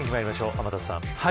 天達さん。